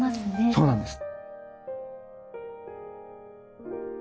そうなんです。